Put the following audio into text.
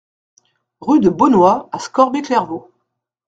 Rue de Bonnoy à Scorbé-Clairvaux